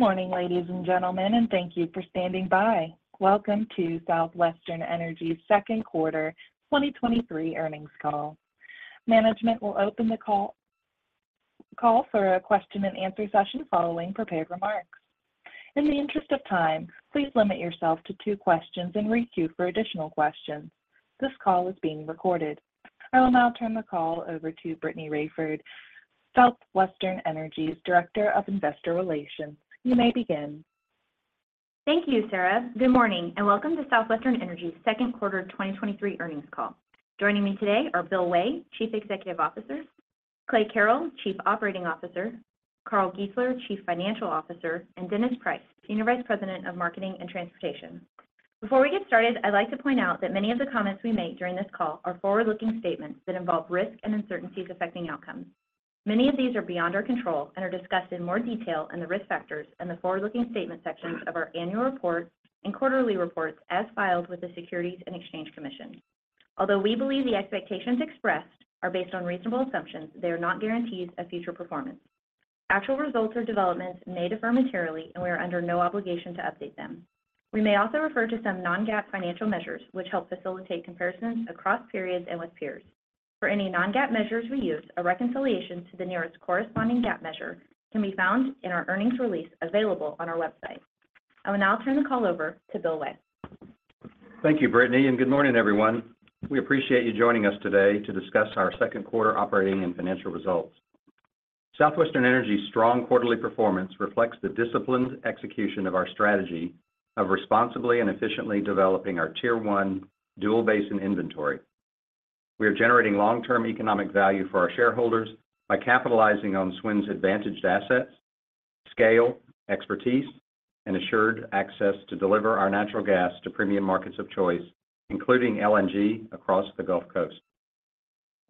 Good morning, ladies and gentlemen, thank you for standing by. Welcome to Southwestern Energy's second quarter 2023 earnings call. Management will open the call, call for a question and answer session following prepared remarks. In the interest of time, please limit yourself to two questions and queue for additional questions. This call is being recorded. I will now turn the call over to Brittany Raiford, Southwestern Energy's Director of Investor Relations. You may begin. Thank you, Sarah. Good morning, and welcome to Southwestern Energy's second quarter of 2023 earnings call. Joining me today are Bill Way, Chief Executive Officer, Clay Carrell, Chief Operating Officer, Carl Giesler, Chief Financial Officer, and Dennis Price, Senior Vice President of Marketing and Transportation. Before we get started, I'd like to point out that many of the comments we make during this call are forward-looking statements that involve risks and uncertainties affecting outcomes. Many of these are beyond our control and are discussed in more detail in the Risk Factors and the Forward-Looking Statements sections of our annual report and quarterly reports as filed with the Securities and Exchange Commission. Although we believe the expectations expressed are based on reasonable assumptions, they are not guarantees of future performance. Actual results or developments may differ materially, and we are under no obligation to update them. We may also refer to some non-GAAP financial measures, which help facilitate comparisons across periods and with peers. For any non-GAAP measures we use, a reconciliation to the nearest corresponding GAAP measure can be found in our earnings release available on our website. I will now turn the call over to Bill Way. Thank you, Brittany. Good morning, everyone. We appreciate you joining us today to discuss our second quarter operating and financial results. Southwestern Energy's strong quarterly performance reflects the disciplined execution of our strategy of responsibly and efficiently developing our Tier 1 dual basin inventory. We are generating long-term economic value for our shareholders by capitalizing on SWN's advantaged assets, scale, expertise, and assured access to deliver our natural gas to premium markets of choice, including LNG across the Gulf Coast.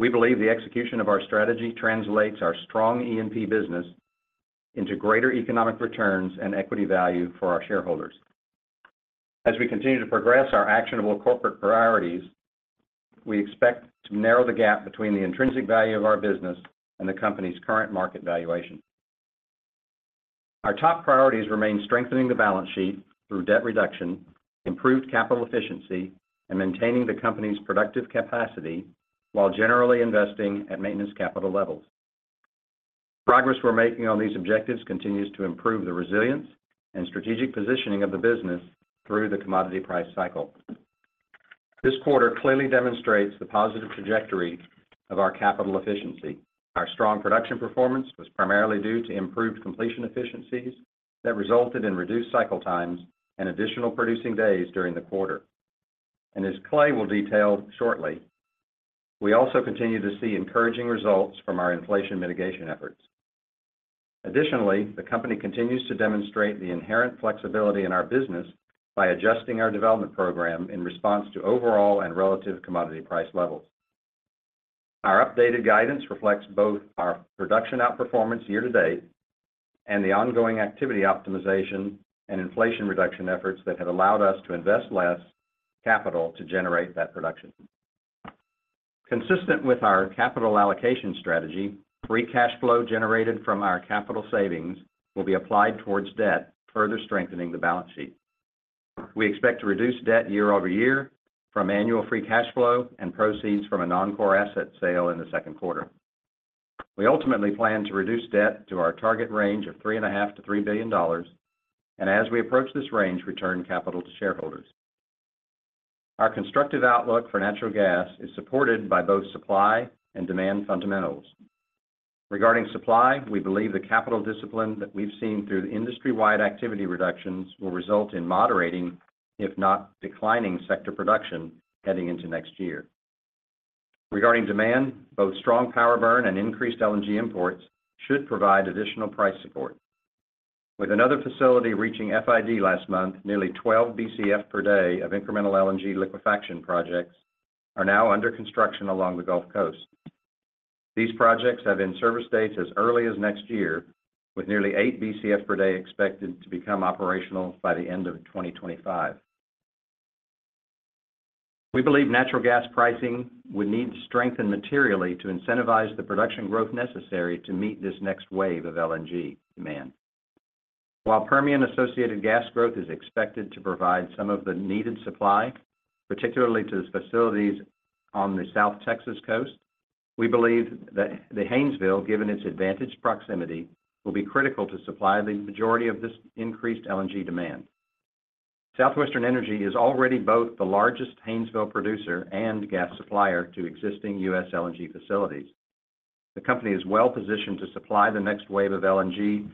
We believe the execution of our strategy translates our strong E&P business into greater economic returns and equity value for our shareholders. As we continue to progress our actionable corporate priorities, we expect to narrow the gap between the intrinsic value of our business and the company's current market valuation. Our top priorities remain strengthening the balance sheet through debt reduction, improved capital efficiency, and maintaining the company's productive capacity while generally investing at maintenance capital levels. Progress we're making on these objectives continues to improve the resilience and strategic positioning of the business through the commodity price cycle. This quarter clearly demonstrates the positive trajectory of our capital efficiency. Our strong production performance was primarily due to improved completion efficiencies that resulted in reduced cycle times and additional producing days during the quarter. As Clay will detail shortly, we also continue to see encouraging results from our inflation mitigation efforts. Additionally, the company continues to demonstrate the inherent flexibility in our business by adjusting our development program in response to overall and relative commodity price levels. Our updated guidance reflects both our production outperformance year to date and the ongoing activity optimization and inflation reduction efforts that have allowed us to invest less capital to generate that production. Consistent with our capital allocation strategy, free cash flow generated from our capital savings will be applied towards debt, further strengthening the balance sheet. We expect to reduce debt year-over-year from annual free cash flow and proceeds from a non-core asset sale in the second quarter. We ultimately plan to reduce debt to our target range of $3.5 billion to $3 billion, and as we approach this range, return capital to shareholders. Our constructive outlook for natural gas is supported by both supply and demand fundamentals. Regarding supply, we believe the capital discipline that we've seen through the industry-wide activity reductions will result in moderating, if not declining, sector production heading into next year. Regarding demand, both strong power burn and increased LNG imports should provide additional price support. With another facility reaching FID last month, nearly 12 bcf per day of incremental LNG liquefaction projects are now under construction along the Gulf Coast. These projects have in-service dates as early as next year, with nearly 8 bcf per day expected to become operational by the end of 2025. We believe natural gas pricing would need to strengthen materially to incentivize the production growth necessary to meet this next wave of LNG demand. While Permian-associated gas growth is expected to provide some of the needed supply, particularly to the facilities on the South Texas coast, we believe that the Haynesville, given its advantaged proximity, will be critical to supply the majority of this increased LNG demand. Southwestern Energy is already both the largest Haynesville producer and gas supplier to existing U.S. LNG facilities. The company is well positioned to supply the next wave of LNG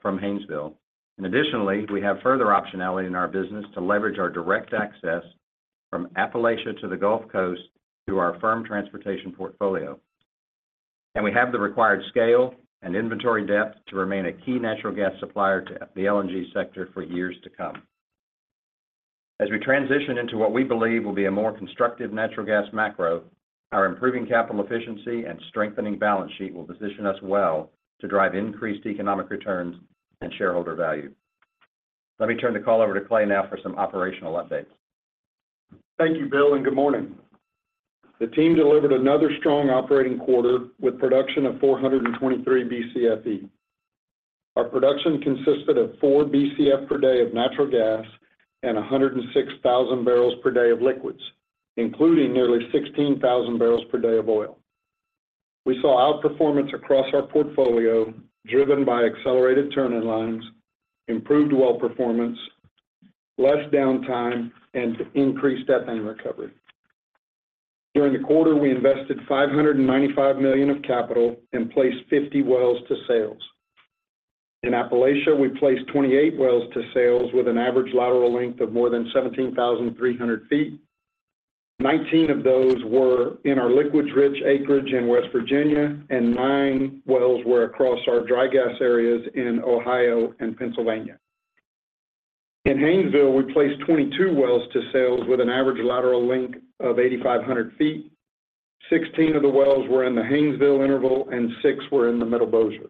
from Haynesville. Additionally, we have further optionality in our business to leverage our direct access from Appalachia to the Gulf Coast through our firm transportation portfolio. We have the required scale and inventory depth to remain a key natural gas supplier to the LNG sector for years to come. As we transition into what we believe will be a more constructive natural gas macro, our improving capital efficiency and strengthening balance sheet will position us well to drive increased economic returns and shareholder value. Let me turn the call over to Clay now for some operational updates. Thank you, Bill, and good morning. The team delivered another strong operating quarter with production of 423 bcfe. Our production consisted of 4 bcf per day of natural gas and 106,000 bbl per day of liquids, including nearly 16,000 bbl per day of oil. We saw outperformance across our portfolio, driven by accelerated turn-in-lines, improved well performance, less downtime, and increased ethane recovery. During the quarter, we invested $595 million of capital and placed 50 wells to sales. In Appalachia, we placed 28 wells to sales with an average lateral length of more than 17,300 ft. 19 of those were in our liquids-rich acreage in West Virginia, and nine wells were across our dry gas areas in Ohio and Pennsylvania. In Haynesville, we placed 22 wells to sales with an average lateral length of 8,500 ft. 16 of the wells were in the Haynesville interval, and six were in the Middle Bossier.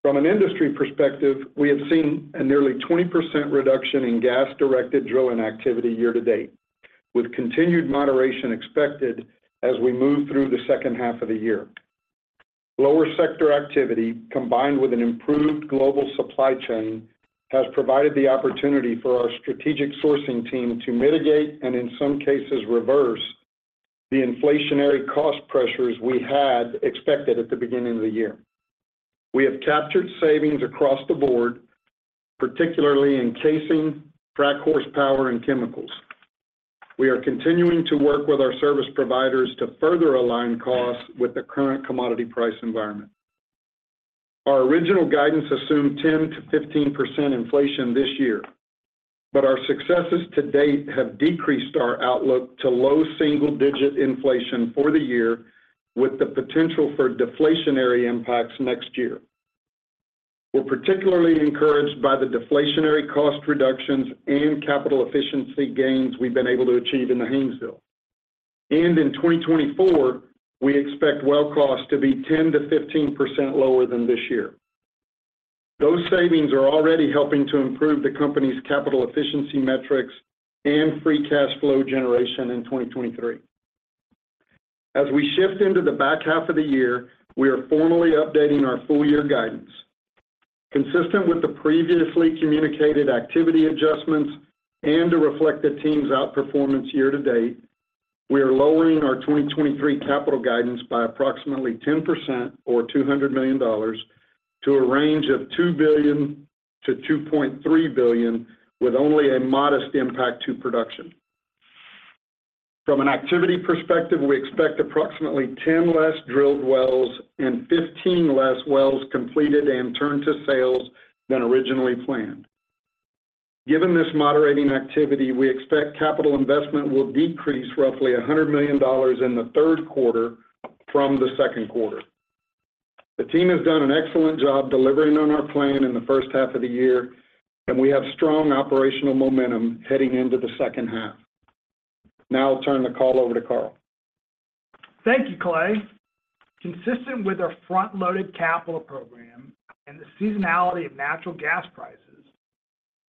From an industry perspective, we have seen a nearly 20% reduction in gas-directed drilling activity year to date, with continued moderation expected as we move through the second half of the year. Lower sector activity, combined with an improved global supply chain, has provided the opportunity for our strategic sourcing team to mitigate, and in some cases reverse, the inflationary cost pressures we had expected at the beginning of the year. We have captured savings across the board, particularly in casing, frac horsepower, and chemicals. We are continuing to work with our service providers to further align costs with the current commodity price environment. Our original guidance assumed 10%-15% inflation this year, but our successes to date have decreased our outlook to low single-digit inflation for the year, with the potential for deflationary impacts next year. We're particularly encouraged by the deflationary cost reductions and capital efficiency gains we've been able to achieve in the Haynesville. In 2024, we expect well costs to be 10%-15% lower than this year. Those savings are already helping to improve the company's capital efficiency metrics and free cash flow generation in 2023. As we shift into the back half of the year, we are formally updating our full year guidance. Consistent with the previously communicated activity adjustments and to reflect the team's outperformance year to date, we are lowering our 2023 capital guidance by approximately 10% or $200 million to a range of $2 billion-$2.3 billion, with only a modest impact to production. From an activity perspective, we expect approximately 10 less drilled wells and 15 less wells completed and turned to sales than originally planned. Given this moderating activity, we expect capital investment will decrease roughly $100 million in the third quarter from the second quarter. The team has done an excellent job delivering on our plan in the first half of the year, and we have strong operational momentum heading into the second half. Now I'll turn the call over to Carl. Thank you, Clay. Consistent with our front-loaded capital program and the seasonality of natural gas prices,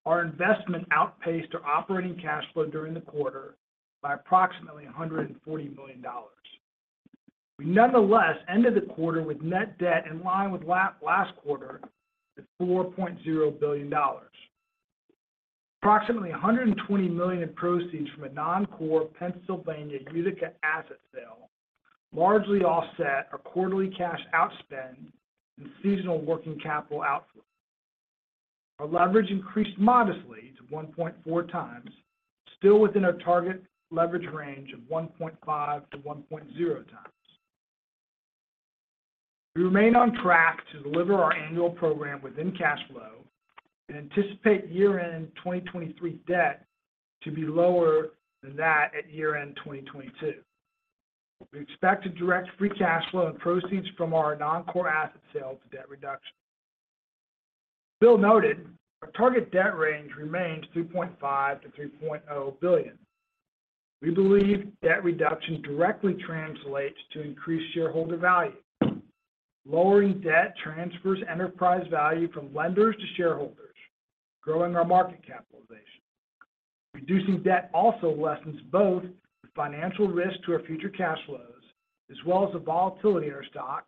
our investment outpaced our operating cash flow during the quarter by approximately $140 million. We nonetheless ended the quarter with net debt in line with last quarter at $4.0 billion. Approximately $120 million in proceeds from a non-core Pennsylvania Utica asset sale, largely offset our quarterly cash outspend and seasonal working capital outflow. Our leverage increased modestly to 1.4x, still within our target leverage range of 1.5x-1.0x. We remain on track to deliver our annual program within cash flow and anticipate year-end 2023 debt to be lower than that at year-end 2022. We expect to direct free cash flow and proceeds from our non-core asset sale to debt reduction. Bill noted our target debt range remains $2.5 billion-$3.0 billion. We believe debt reduction directly translates to increased shareholder value. Lowering debt transfers enterprise value from lenders to shareholders, growing our market capitalization. Reducing debt also lessens both the financial risk to our future cash flows, as well as the volatility in our stock,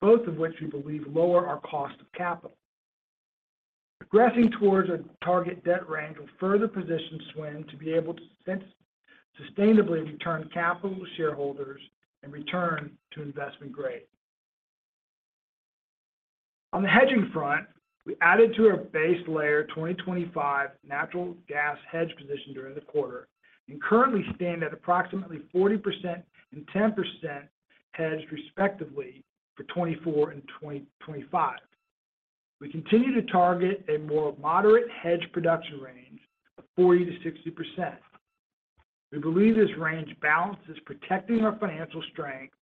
both of which we believe lower our cost of capital. Progressing towards a target debt range will further position SWN to be able to sustainably return capital to shareholders and return to investment grade. On the hedging front, we added to our base layer 2025 natural gas hedge position during the quarter and currently stand at approximately 40% and 10% hedged, respectively, for 2024 and 2025. We continue to target a more moderate hedge production range of 40%-60%. We believe this range balances protecting our financial strength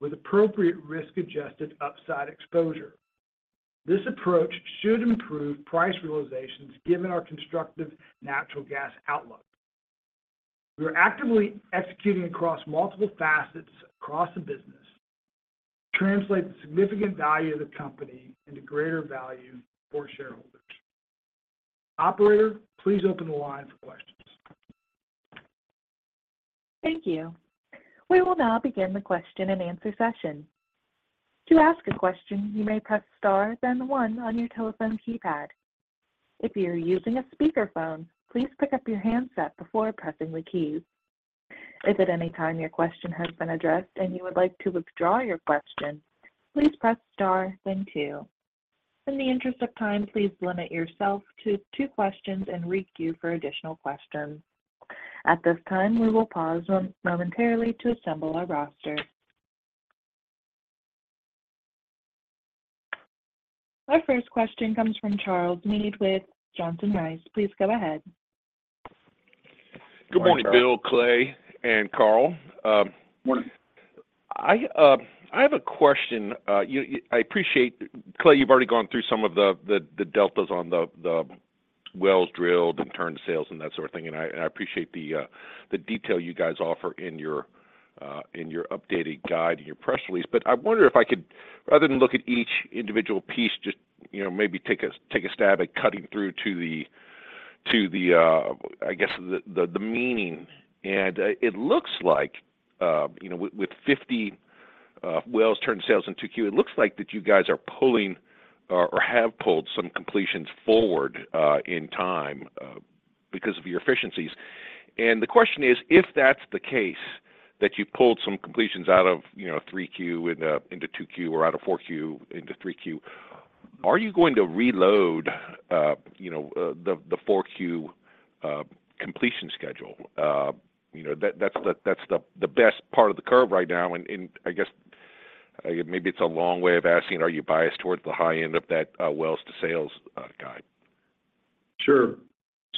with appropriate risk-adjusted upside exposure. This approach should improve price realizations given our constructive natural gas outlook. We are actively executing across multiple facets across the business. Translate the significant value of the company into greater value for shareholders. Operator, please open the line for questions. Thank you. We will now begin the question and answer session. To ask a question, you may press star, then one on your telephone keypad. If you're using a speakerphone, please pick up your handset before pressing the keys. If at any time your question has been addressed and you would like to withdraw your question, please press star, then two. In the interest of time, please limit yourself to two questions and re-queue for additional questions. At this time, we will pause momentarily to assemble our roster. Our first question comes from Charles Meade with Johnson Rice. Please go ahead. Good morning, Bill, Clay, and Carl. Morning. I, I have a question. I appreciate... Clay, you've already gone through some of the deltas on the wells drilled and turned sales and that sort of thing, and I, and I appreciate the detail you guys offer in your updated guide and your press release. I wonder if I could, rather than look at each individual piece, just, you know, maybe take a, take a stab at cutting through to the, I guess, the meaning. It looks like, you know, with 50 wells turned sales in 2Q, it looks like that you guys are pulling or, or have pulled some completions forward in time because of your efficiencies. The question is, if that's the case, that you pulled some completions out of 3Q into 2Q or out of 4Q into 3Q, are you going to reload the 4Q completion schedule? That's the, that's the, the best part of the curve right now. I guess, maybe it's a long way of asking, are you biased towards the high end of that wells to sales guide? Sure.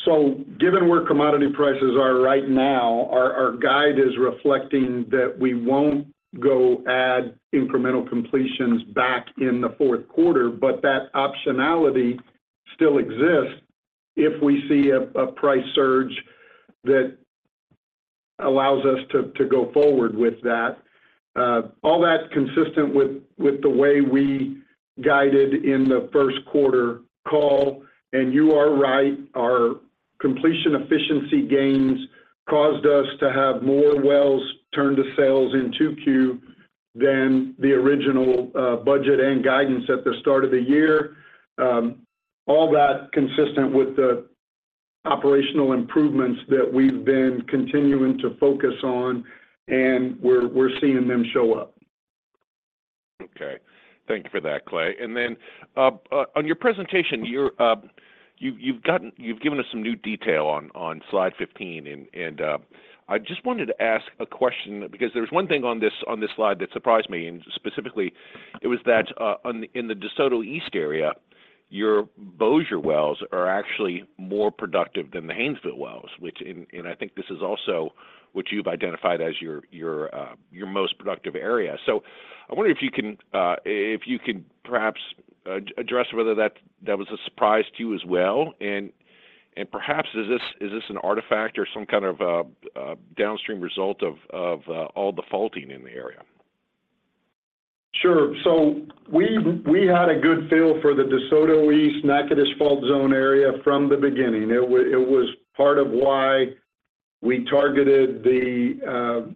Given where commodity prices are right now, our, our guide is reflecting that we won't go add incremental completions back in the fourth quarter, but that optionality still exists if we see a, a price surge that allows us to, to go forward with that. All that's consistent with, with the way we guided in the first quarter call, and you are right, our completion efficiency gains caused us to have more wells turned to sales in 2Q than the original budget and guidance at the start of the year. All that consistent with the operational improvements that we've been continuing to focus on, and we're, we're seeing them show up. Okay. Thank you for that, Clay. On your presentation, you've given us some new detail on slide 15, I just wanted to ask a question, because there's one thing on this, on this slide that surprised me, and specifically, it was that, in the DeSoto East area, your Bossier wells are actually more productive than the Haynesville wells, which... I think this is also what you've identified as your, your, your most productive area. I wonder if you can, if you could perhaps, address whether that, that was a surprise to you as well. Perhaps, is this, is this an artifact or some kind of a, a downstream result of, of, all the faulting in the area? Sure. We had a good feel for the DeSoto East Natchitoches fault zone area from the beginning. It was part of why we targeted the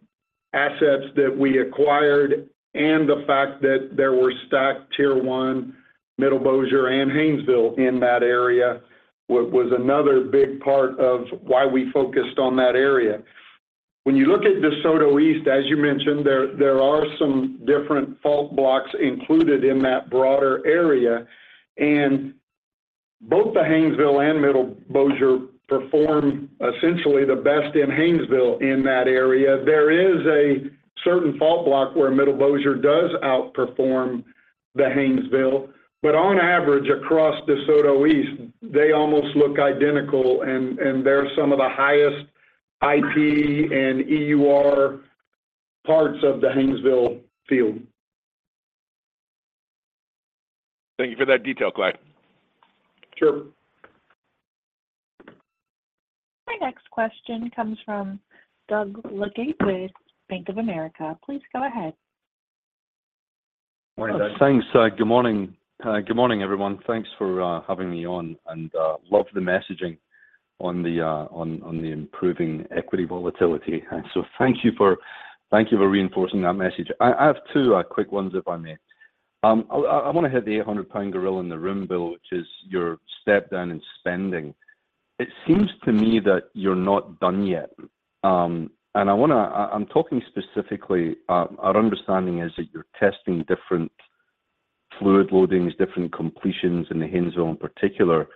assets that we acquired, and the fact that there were stacked Tier 1, Middle Bossier, and Haynesville in that area, was another big part of why we focused on that area. When you look at DeSoto East, as you mentioned, there are some different fault blocks included in that broader area. Both the Haynesville and Middle Bossier perform essentially the best in Haynesville in that area. There is a certain fault block where Middle Bossier does outperform the Haynesville, on average, across DeSoto East, they almost look identical, and they're some of the highest IP and EUR parts of the Haynesville field. Thank you for that detail, Clay. Sure. My next question comes from Doug Leggate with Bank of America. Please go ahead. Morning, Doug. Thanks. Good morning. Good morning, everyone. Thanks for having me on, and love the messaging on the on on the improving equity volatility. Thank you for, thank you for reinforcing that message. I, I have two quick ones, if I may. I, I wanna hit the 800 lb gorilla in the room, Bill, which is your step down in spending. It seems to me that you're not done yet, and I wanna... I, I'm talking specifically, our understanding is that you're testing different fluid loadings, different completions in the Haynesville in particular,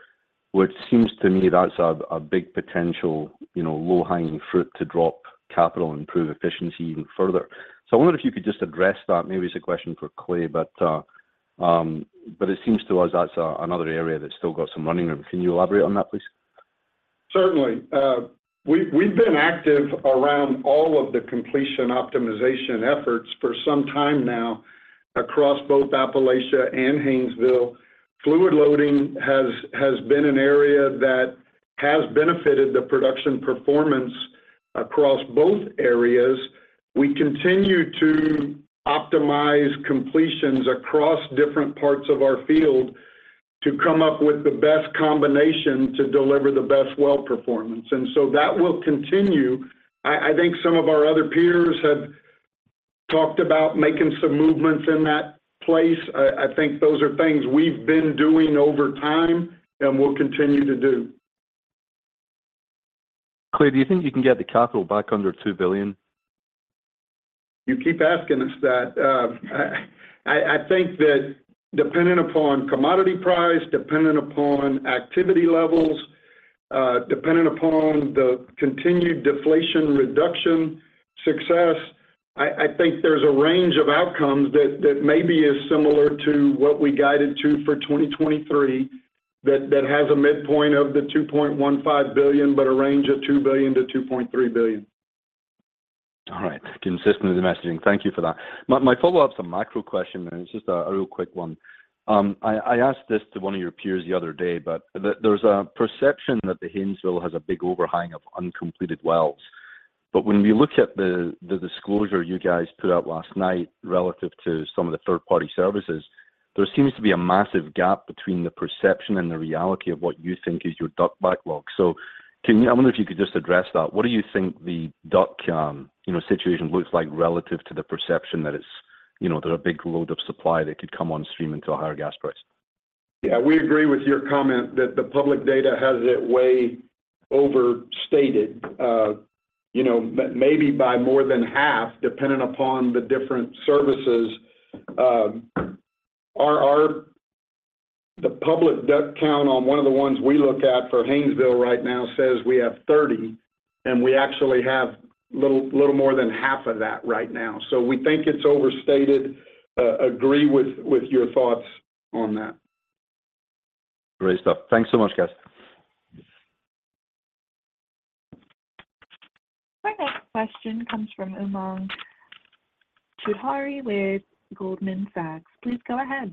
which seems to me that's a, a big potential, you know, low-hanging fruit to drop capital and improve efficiency even further. I wonder if you could just address that. Maybe it's a question for Clay, but it seems to us that's a, another area that's still got some running room. Can you elaborate on that, please? Certainly. We've, we've been active around all of the completion optimization efforts for some time now across both Appalachia and Haynesville. Fluid loading has, has been an area that has benefited the production performance. Across both areas, we continue to optimize completions across different parts of our field to come up with the best combination to deliver the best well performance. So that will continue. I, I think some of our other peers have talked about making some movements in that place. I, I think those are things we've been doing over time and will continue to do. Clay, do you think you can get the capital back under $2 billion? You keep asking us that. I think that depending upon commodity price, depending upon activity levels, depending upon the continued deflation reduction success, I think there's a range of outcomes that, that maybe is similar to what we guided to for 2023, that, that has a midpoint of the $2.15 billion, but a range of $2 billion-$2.3 billion. All right. Consistent with the messaging. Thank you for that. My, my follow-up's a macro question, and it's just a, a real quick one. I, I asked this to one of your peers the other day, but there's a perception that the Haynesville has a big overhang of uncompleted wells. When we look at the, the disclosure you guys put out last night relative to some of the third-party services, there seems to be a massive gap between the perception and the reality of what you think is your DUC backlog. I wonder if you could just address that. What do you think the DUC, you know, situation looks like relative to the perception that it's, you know, there are a big load of supply that could come on stream into a higher gas price? Yeah, we agree with your comment that the public data has it way overstated, you know, but maybe by more than half, depending upon the different services. The public DUC count on one of the ones we look at for Haynesville right now says we have 30, and we actually have little, little more than half of that right now. We think it's overstated. Agree with, with your thoughts on that. Great stuff. Thanks so much, guys. Our next question comes from Umang Choudhary with Goldman Sachs. Please go ahead.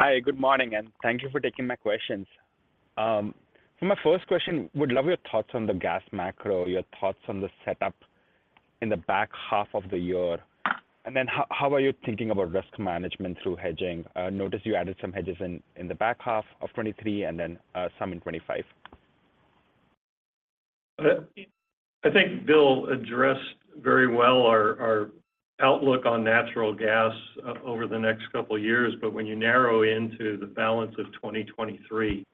Hi, good morning, and thank you for taking my questions. For my first question, would love your thoughts on the gas macro, your thoughts on the setup in the back half of the year. Then how, how are you thinking about risk management through hedging? Notice you added some hedges in, in the back half of 2023 and then, some in 2025. I think Bill addressed very well our, our outlook on natural gas over the next couple of years. When you narrow into the balance of 2023,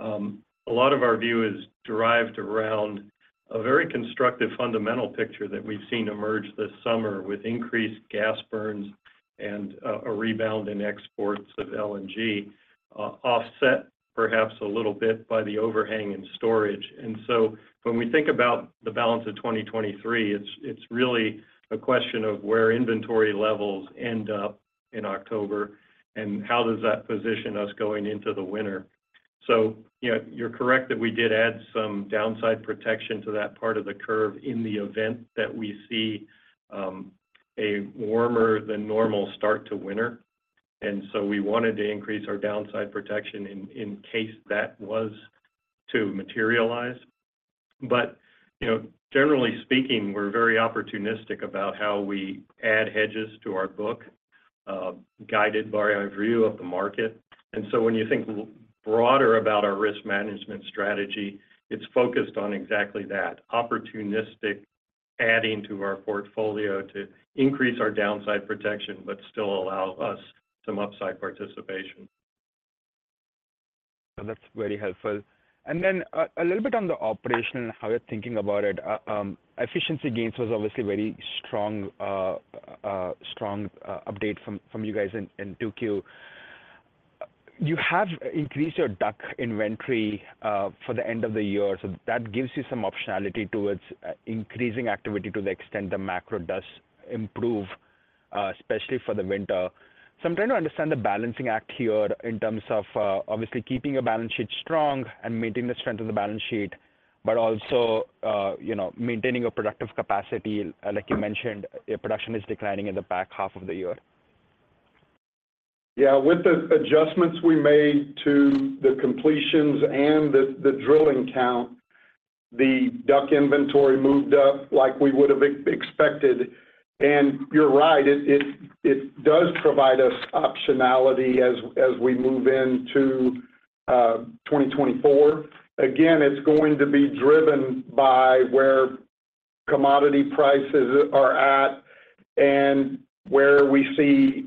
a lot of our view is derived around a very constructive, fundamental picture that we've seen emerge this summer, with increased gas burns and a rebound in exports of LNG, offset perhaps a little bit by the overhang in storage. When we think about the balance of 2023, it's, it's really a question of where inventory levels end up in October and how does that position us going into the winter. You know, you're correct that we did add some downside protection to that part of the curve in the event that we see a warmer than normal start to winter. We wanted to increase our downside protection in, in case that was to materialize. You know, generally speaking, we're very opportunistic about how we add hedges to our book, guided by our view of the market. When you think broader about our risk management strategy, it's focused on exactly that: opportunistic adding to our portfolio to increase our downside protection, but still allow us some upside participation. That's very helpful. A little bit on the operation and how you're thinking about it. Efficiency gains was obviously very strong, strong update from you guys in 2Q. You have increased your DUC inventory for the end of the year, that gives you some optionality towards increasing activity to the extent the macro does improve, especially for the winter. I'm trying to understand the balancing act here in terms of, obviously, keeping your balance sheet strong and maintaining the strength of the balance sheet, but also, you know, maintaining a productive capacity. Like you mentioned, your production is declining in the back half of the year. Yeah. With the adjustments we made to the completions and the, the drilling count, the DUC inventory moved up like we would have expected. You're right, it, it, it does provide us optionality as, as we move into, 2024. It's going to be driven by where commodity prices are at and where we see,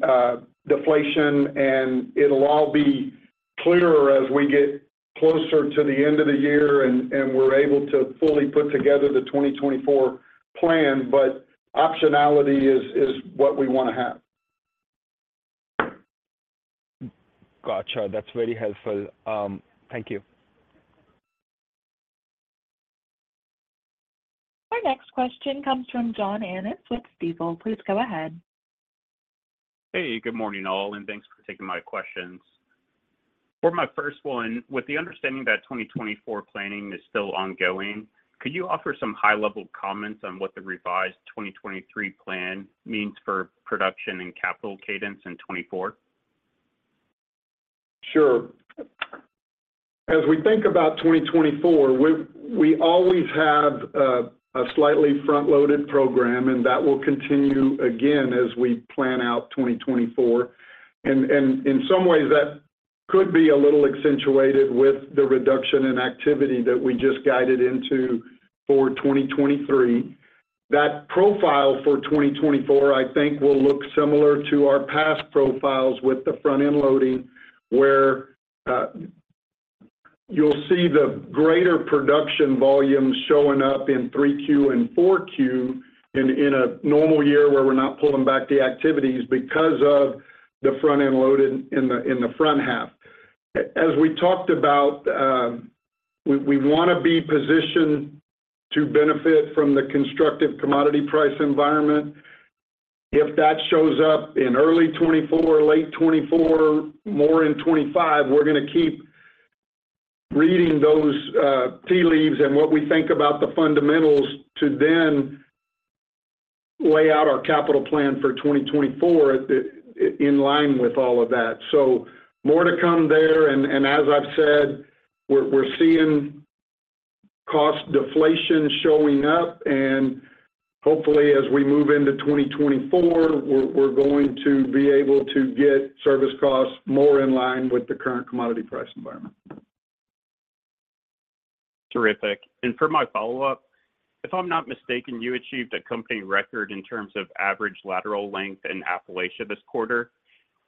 deflation, and it'll all be clearer as we get closer to the end of the year and, and we're able to fully put together the 2024 plan. Optionality is, is what we want to have. Gotcha. That's very helpful. Thank you. Our next question comes from John Annis with Stifel. Please go ahead. Hey, good morning, all. Thanks for taking my questions. For my first one, with the understanding that 2024 planning is still ongoing, could you offer some high-level comments on what the revised 2023 plan means for production and capital cadence in 2024? Sure. As we think about 2024, we, we always have a slightly front-loaded program, and that will continue again as we plan out 2024. In some ways, that could be a little accentuated with the reduction in activity that we just guided into for 2023. That profile for 2024, I think, will look similar to our past profiles with the front-end loading, where you'll see the greater production volumes showing up in 3Q and 4Q in, in a normal year where we're not pulling back the activities because of the front-end loading in the, in the front half. As we talked about, we, we want to be positioned to benefit from the constructive commodity price environment. If that shows up in early 2024, late 2024, more in 2025, we're going to keep reading those tea leaves and what we think about the fundamentals to then lay out our capital plan for 2024 in line with all of that. More to come there, and as I've said, we're, we're seeing cost deflation showing up, and hopefully, as we move into 2024, we're, we're going to be able to get service costs more in line with the current commodity price environment. Terrific. For my follow-up, if I'm not mistaken, you achieved a company record in terms of average lateral length in Appalachia this quarter.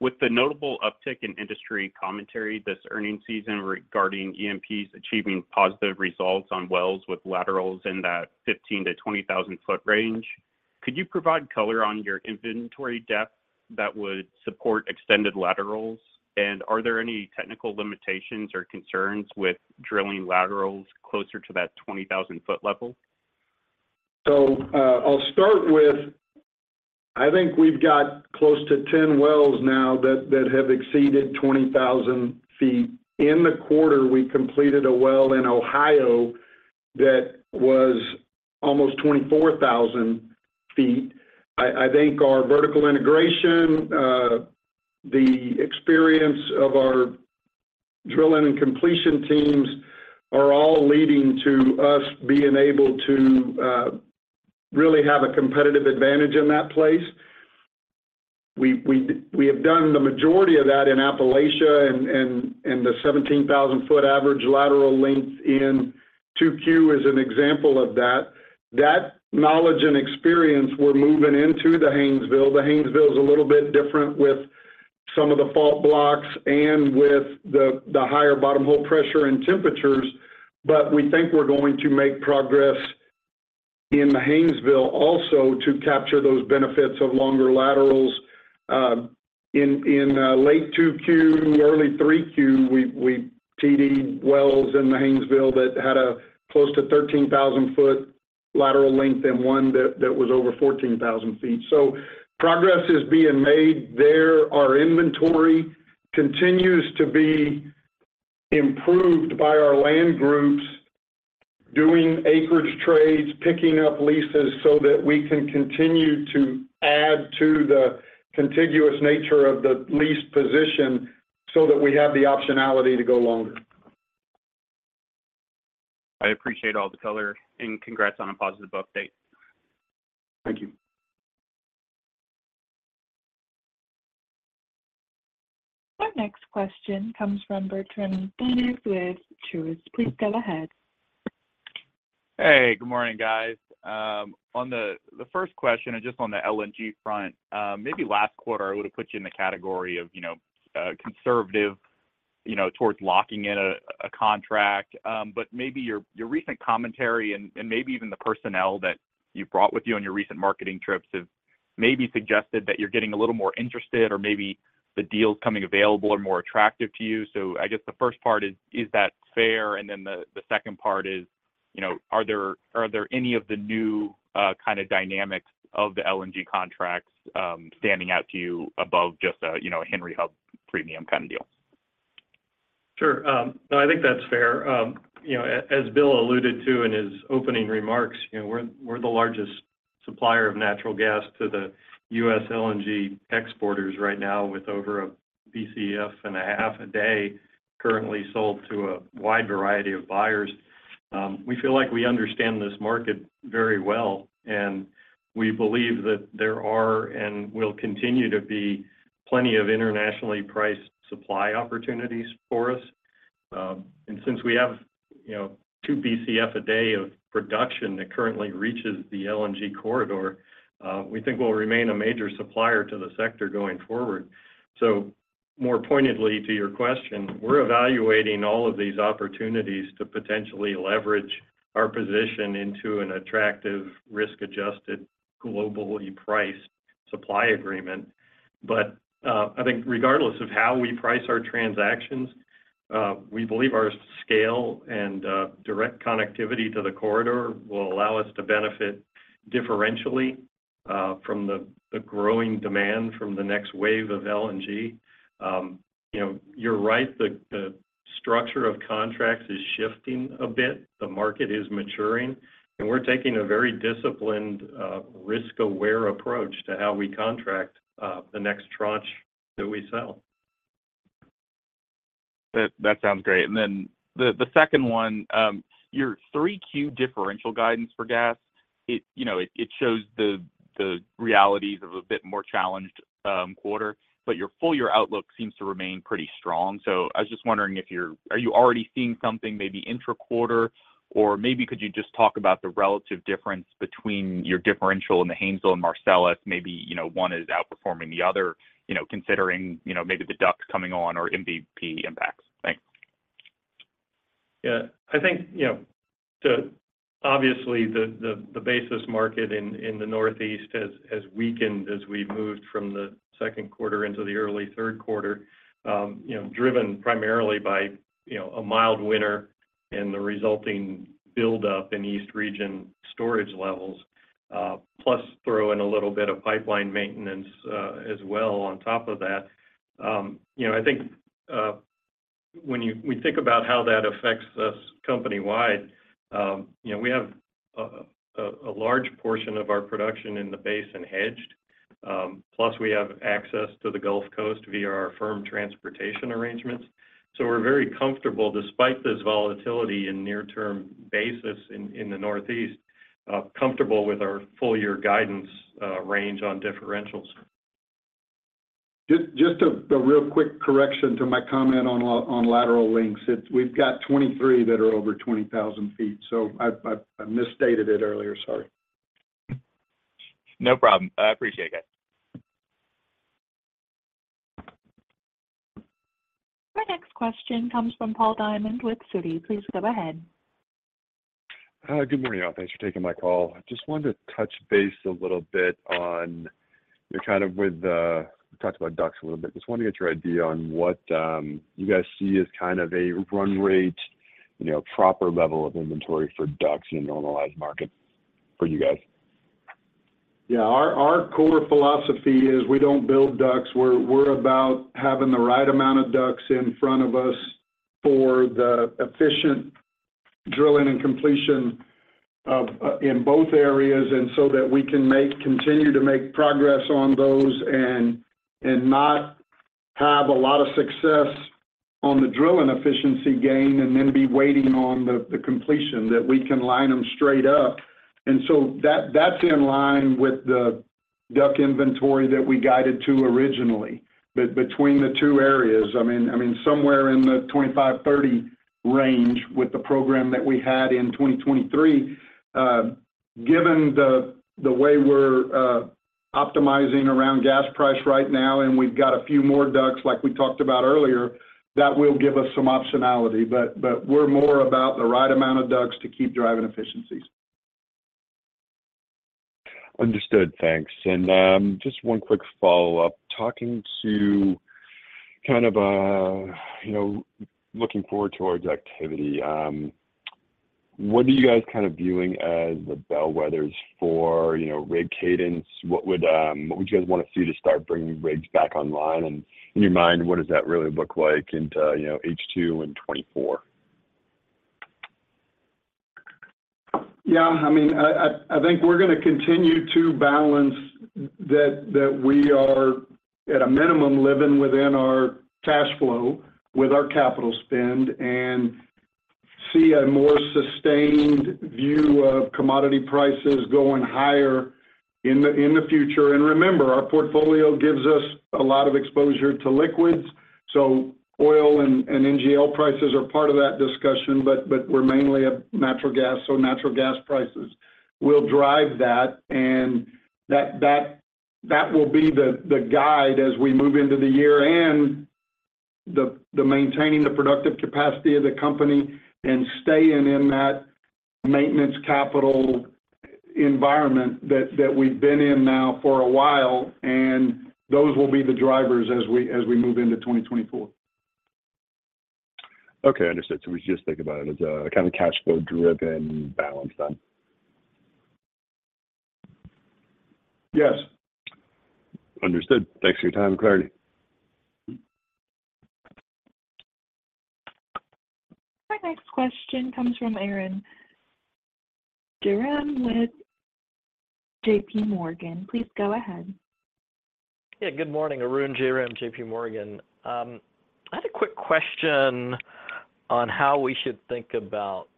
With the notable uptick in industry commentary this earnings season regarding E&Ps achieving positive results on wells with laterals in that 15,000-20,000 ft range, could you provide color on your inventory depth that would support extended laterals? Are there any technical limitations or concerns with drilling laterals closer to that 20,000 ft level? I'll start with, I think we've got close to 10 wells now that, that have exceeded 20,000 ft. In the quarter, we completed a well in Ohio that was almost 24,000 ft. I, I think our vertical integration, the experience of our drilling and completion teams are all leading to us being able to really have a competitive advantage in that place. We, we, we have done the majority of that in Appalachia and, and, and the 17,000 ft average lateral length in 2Q is an example of that. That knowledge and experience we're moving into the Haynesville. The Haynesville is a little bit different with some of the fault blocks and with the, the higher bottom hole pressure and temperatures, but we think we're going to make progress in the Haynesville also to capture those benefits of longer laterals. In, in late 2Q, early 3Q, we, we TD'd wells in the Haynesville that had a close to 13,000 ft lateral length and one that, that was over 14,000 ft. Progress is being made there. Our inventory continues to be improved by our land groups doing acreage trades, picking up leases so that we can continue to add to the contiguous nature of the lease position, so that we have the optionality to go longer. I appreciate all the color, and congrats on a positive update. Thank you. Our next question comes from Bertrand Donnes with Truist. Please go ahead. Hey, good morning, guys. On the first question and just on the LNG front, maybe last quarter, I would have put you in the category of, you know, conservative, you know, towards locking in a contract. Maybe your recent commentary and maybe even the personnel that you've brought with you on your recent marketing trips have maybe suggested that you're getting a little more interested or maybe the deals coming available are more attractive to you. I guess the first part is: Is that fair? Then the second part is, you know, are there any of the new kind of dynamics of the LNG contracts standing out to you above just a, you know, a Henry Hub premium kind of deal? Sure. No, I think that's fair. You know, as Bill alluded to in his opening remarks, you know, we're, we're the largest supplier of natural gas to the U.S. LNG exporters right now, with over 1.5 bcf a day currently sold to a wide variety of buyers. We feel like we understand this market very well, and we believe that there are and will continue to be plenty of internationally priced supply opportunities for us. Since we have, you know, 2 bcf a day of production that currently reaches the LNG corridor, we think we'll remain a major supplier to the sector going forward. More pointedly to your question, we're evaluating all of these opportunities to potentially leverage our position into an attractive, risk-adjusted, globally priced supply agreement. I think regardless of how we price our transactions, we believe our scale and direct connectivity to the corridor will allow us to benefit differentially from the growing demand from the next wave of LNG. You know, you're right, the structure of contracts is shifting a bit. The market is maturing, and we're taking a very disciplined, risk-aware approach to how we contract the next tranche that we sell. That, that sounds great. The, the second one, your 3Q differential guidance for gas, it, you know, it, it shows the, the realities of a bit more challenged quarter, but your full year outlook seems to remain pretty strong. I was just wondering, are you already seeing something maybe intra-quarter? Maybe could you just talk about the relative difference between your differential in the Haynesville and Marcellus? Maybe, you know, one is outperforming the other, you know, considering, you know, maybe the DUCs coming on or MBP impacts. Thanks. Yeah. I think, you know, the-- obviously, the, the, the basis market in, in the Northeast has, has weakened as we've moved from the second quarter into the early third quarter. you know, driven primarily by, you know, a mild winter and the resulting buildup in East Region storage levels. plus, throw in a little bit of pipeline maintenance, as well on top of that. you know, I think, when you- we think about how that affects us company-wide, you know, we have a, a, a large portion of our production in the basin hedged, plus we have access to the Gulf Coast via our firm transportation arrangements. We're very comfortable, despite this volatility in near-term basis in, in the Northeast, comfortable with our full-year guidance, range on differentials. Just, just a real quick correction to my comment on lateral links. It's, we've got 23 that are over 20,000 ft, so I've, I misstated it earlier. Sorry. No problem. I appreciate it, guys. Our next question comes from Paul Diamond with Citi. Please go ahead. Good morning, all. Thanks for taking my call. I just wanted to touch base a little bit on, you know, kind of with the... You talked about DUCs a little bit. Just want to get your idea on what, you know, you guys see as kind of a run rate, you know, proper level of inventory for DUCs in a normalized market for you guys? Yeah. Our, our core philosophy is we don't build DUCs. We're, we're about having the right amount of DUCs in front of us for the efficient drilling and completion of, in both areas, and so that we can continue to make progress on those and, and not have a lot of success on the drilling efficiency gain and then be waiting on the, the completion, that we can line them straight up. That, that's in line with the DUC inventory that we guided to originally. Between the two areas, I mean, I mean, somewhere in the 25-30 range with the program that we had in 2023. Given the, the way we're optimizing around gas price right now, and we've got a few more DUCs like we talked about earlier, that will give us some optionality. We're more about the right amount of DUCs to keep driving efficiencies. Understood. Thanks. Just one quick follow-up. Talking to kind of, you know, looking forward towards activity, what are you guys kind of viewing as the bellwethers for, you know, rig cadence? What would, what would you guys want to see to start bringing rigs back online? In your mind, what does that really look like into, you know, H2 in 2024? Yeah, I mean, I, I, I think we're going to continue to balance that, that we are, at a minimum, living within our cash flow with our capital spend and see a more sustained view of commodity prices going higher in the, in the future. Remember, our portfolio gives us a lot of exposure to liquids, so oil and, and NGL prices are part of that discussion, but, but we're mainly a natural gas, so natural gas prices will drive that, and that, that, that will be the, the guide as we move into the year. The, the maintaining the productive capacity of the company and staying in that maintenance capital environment that, that we've been in now for a while, and those will be the drivers as we, as we move into 2024. Okay, understood. We just think about it as a kind of cash flow-driven balance then? Yes. Understood. Thanks for your time and clarity. Our next question comes from Arun Jayaram with JPMorgan. Please go ahead. Yeah, good morning, Arun Jayaram, JPMorgan. I had a quick question on how we should think about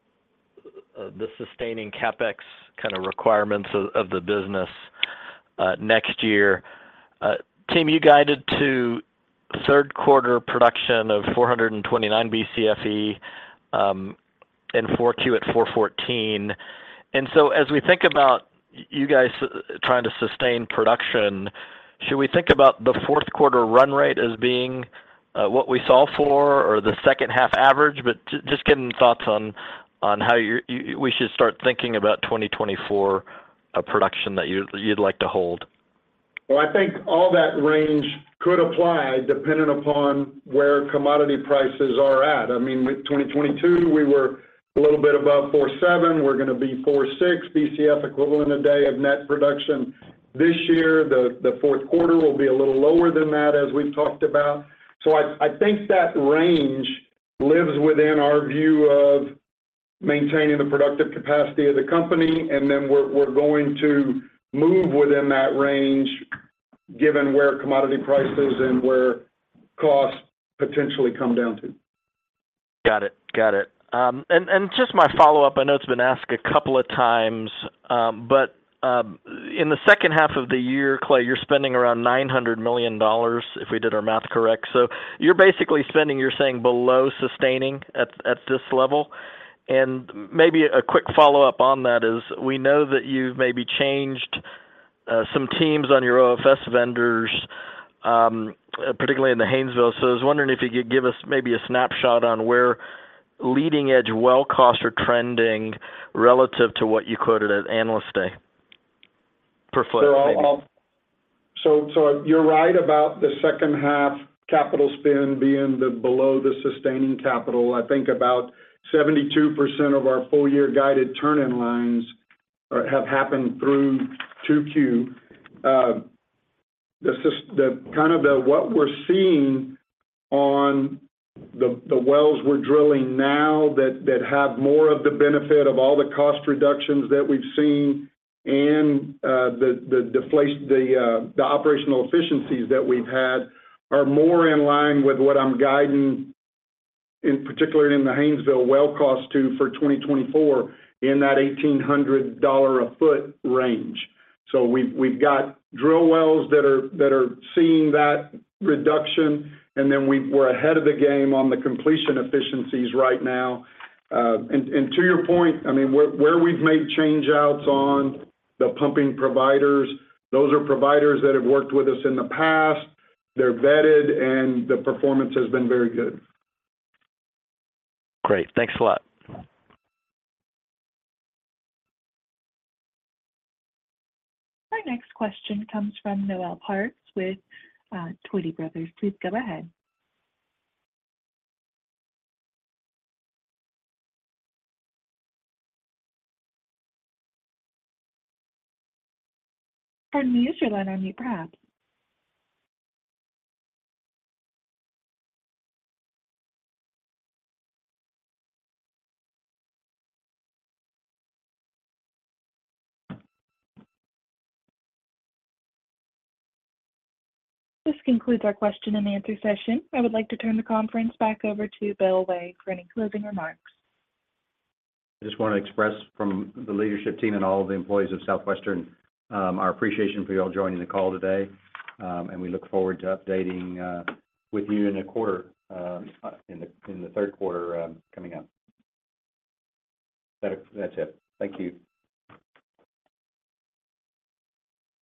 the sustaining CapEx kind of requirements of the business next year. Bill, you guided to third quarter production of 429 bcfe and 4Q at 414. As we think about you guys trying to sustain production, should we think about the fourth quarter run rate as being what we solve for or the second-half average? Just getting thoughts on how we should start thinking about 2024 production that you'd, you'd like to hold. Well, I think all that range could apply depending upon where commodity prices are at. I mean, with 2022, we were a little bit above 4.7. We're going to be 4.6 bcfe a day of net production. This year, the, the fourth quarter will be a little lower than that, as we've talked about. I, I think that range lives within our view of maintaining the productive capacity of the company, and then we're, we're going to move within that range, given where commodity prices and where costs potentially come down to. Got it. Got it. Just my follow-up, I know it's been asked a couple of times, but in the second half of the year, Clay, you're spending around $900 million, if we did our math correct. You're basically spending, you're saying, below sustaining at this level? Maybe a quick follow-up on that is, we know that you've maybe changed some teams on your OFS vendors, particularly in the Haynesville. I was wondering if you could give us maybe a snapshot on where leading-edge well costs are trending relative to what you quoted at Analyst Day per foot? I'll so, so you're right about the second half capital spend being the below the sustaining capital. I think about 72% of our full-year guided turn-in-lines have happened through 2Q. The kind of the what we're seeing on the, the wells we're drilling now that, that have more of the benefit of all the cost reductions that we've seen and the, the operational efficiencies that we've had, are more in line with what I'm guiding, in particular in the Haynesville well cost to for 2024 in that $1,800 a foot range. We've, we've got drill wells that are, that are seeing that reduction, and then we we're ahead of the game on the completion efficiencies right now. To your point, I mean, where, where we've made changeouts on the pumping providers, those are providers that have worked with us in the past. They're vetted, and the performance has been very good. Great. Thanks a lot. Our next question comes from Noel Parks with Tuohy Brothers. Please go ahead. Pardon me, use your line, I mean, perhaps. This concludes our question and answer session. I would like to turn the conference back over to Bill Way for any closing remarks. I just want to express from the leadership team and all of the employees of Southwestern, our appreciation for you all joining the call today. We look forward to updating with you in a quarter, in the, in the third quarter, coming up. That's, that's it. Thank you.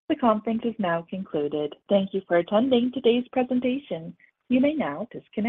The conference is now concluded. Thank you for attending today's presentation. You may now disconnect.